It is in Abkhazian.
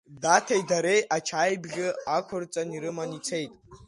Даҭеи дареи ачаибӷьы ақәырҵан ирыман ицеит.